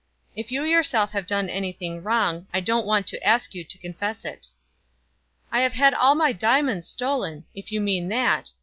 "If you yourself have done anything wrong, I don't want to ask you to confess it." "I have had all my diamonds stolen, if you mean that.